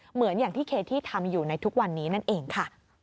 เหมือนอย่างที่เคที่ทำอยู่ในทุกวันนี้นั่นเองค่ะ